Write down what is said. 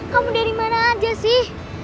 kamu dari mana aja sih